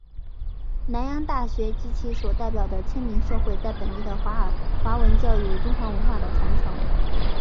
南洋大学及其所代表是迁民社会在本地的华文教育与中华文化的传承。